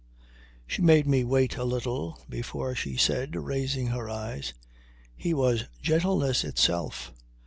She made me wait a little before she said, raising her eyes: "He was gentleness itself."